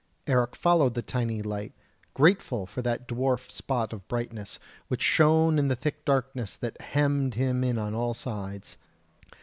Eric followed the tiny light, grateful for that dwarf spot of brightness, which shone in the thick darkness that hemmed him in on all sides.